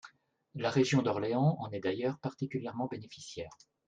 La région d’Orléans en est d’ailleurs particulièrement bénéficiaire.